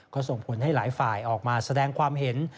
ก็ส่งผลให้หลายฝ่ายออกมาแสดงความเห็น